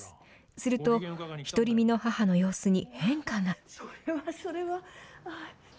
すると独り身の母の様子に変化が。